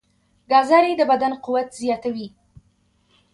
ګازرې د بدن قوت زیاتوي.